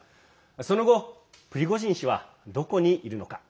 その後、プリゴジン氏はどこにいるのか。